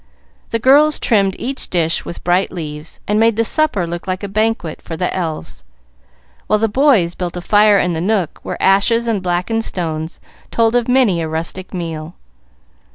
The girls trimmed each dish with bright leaves, and made the supper look like a banquet for the elves, while the boys built a fire in the nook where ashes and blackened stones told of many a rustic meal.